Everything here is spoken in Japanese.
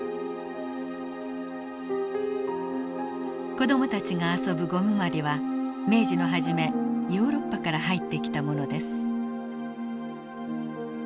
子どもたちが遊ぶゴムまりは明治の初めヨーロッパから入ってきたものです。